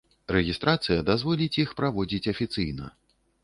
Рэгістрацыя дазволіць іх праводзіць афіцыйна.